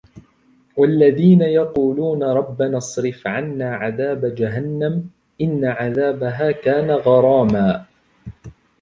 والذين يقولون ربنا اصرف عنا عذاب جهنم إن عذابها كان غراما